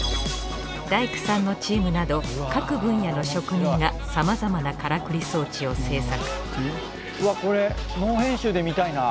大工さんのチームなど各分野の職人がさまざまなからくり装置を制作うわっこれ。